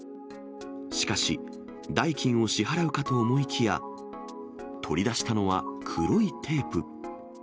しかし、代金を支払うかと思いきや、取り出したのは黒いテープ。